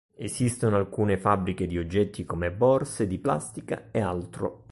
Esistono alcune fabbriche di oggetti come borse di plastica e altro.